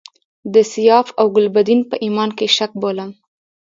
د سیاف او ګلبدین په ایمان کې شک بولم.